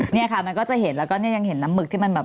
เนี่ยค่ะมันก็จะเห็นแล้วก็เนี่ยยังเห็นน้ำหมึกที่มันแบบ